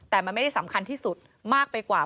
แต่มันไม่ได้สำคัญที่สุดมากไปกว่า